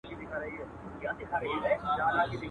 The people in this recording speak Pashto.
هوسېږو ژوندانه د بل جهان ته.